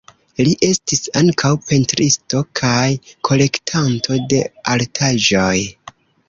Li estis ankaŭ pentristo kaj kolektanto de artaĵoj.